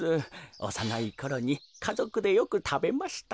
おさないころにかぞくでよくたべました。